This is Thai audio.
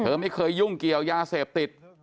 ไม่เคยยุ่งเกี่ยวยาเสพติด